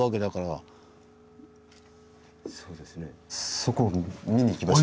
そこを見に行きましょう。